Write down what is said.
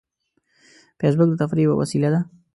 فېسبوک د تفریح یوه وسیله ده